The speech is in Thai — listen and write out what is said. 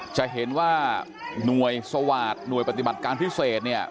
จะเห็นว่าหน่วยสวาสตร์หน่วยปฏิบัติการพิเศษเนี่ย